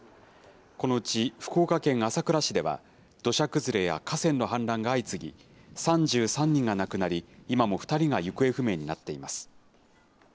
このうち福岡県朝倉市では、土砂崩れや河川の氾濫が相次ぎ、３３人が亡くなり、今も２人が行方不明になっています。